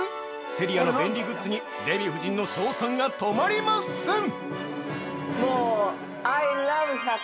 セリアの便利グッズにデヴィ夫人の賞賛が止まりません